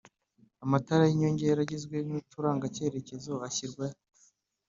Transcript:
amatara y’inyongera agizwe n’uturanga kerekezo ashyirwahe